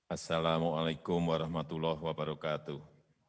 assalamu'alaikum warahmatullahi wabarakatuh